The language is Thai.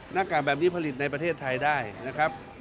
หน้ากากแบบนี้ผลิตในประเทศไทยได้นะครับ